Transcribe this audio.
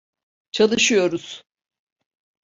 Çalışıyoruz.